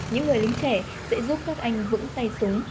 những người lính trẻ sẽ giúp các anh vững tay súng